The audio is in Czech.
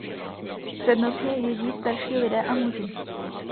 Přednostně jedí starší lidé a muži.